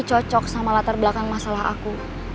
cocok sama latar belakang masalah aku